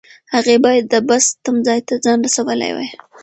هغې باید د بس تمځای ته ځان رسولی وای.